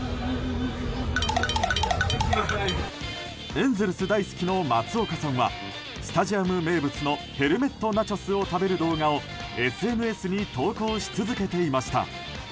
エンゼルス大好きの松岡さんはスタジアム名物のヘルメットナチョスを食べる動画をＳＮＳに投稿し続けていました。